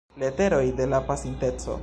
Leteroj de la Pasinteco.